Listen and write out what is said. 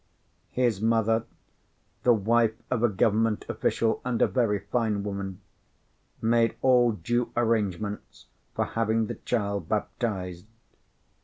His mother, the wife of a Government official and a very fine woman, made all due arrangements for having the child baptised.